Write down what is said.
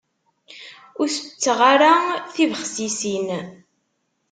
Ur tetteɣ ara tibexsisin.